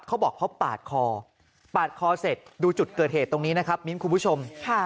เขาบอกเขาปาดคอปาดคอเสร็จดูจุดเกิดเหตุตรงนี้นะครับมิ้นคุณผู้ชม